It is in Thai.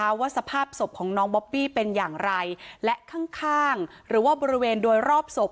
ว่าสภาพศพของน้องบอบบี้เป็นอย่างไรและข้างข้างหรือว่าบริเวณโดยรอบศพ